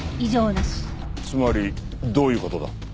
つまりどういう事だ？